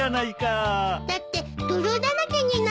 だって泥だらけになるですよ。